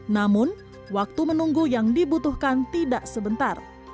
namun waktu menunggu yang dibutuhkan tidak sebentar